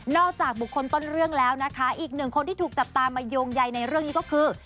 จากบุคคลต้นเรื่องแล้วนะคะอีกหนึ่งคนที่ถูกจับตามาโยงใยในเรื่องนี้ก็คือ